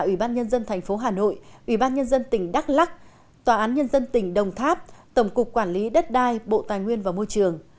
ủy ban nhân dân tp hà nội ủy ban nhân dân tỉnh đắk lắc tòa án nhân dân tỉnh đồng tháp tổng cục quản lý đất đai bộ tài nguyên và môi trường